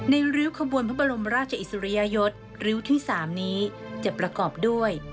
ริ้วขบวนพระบรมราชอิสริยยศริ้วที่๓นี้จะประกอบด้วย